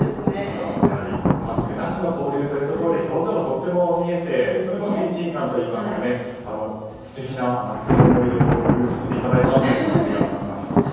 マスクなしの交流ということで表情がとっても見えてとても親近感といいますか素敵な夏の思い出を共有させていただいたなという感じがします。